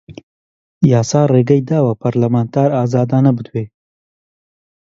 یاسا ڕێگەی داوە پەرلەمانتار ئازادانە بدوێ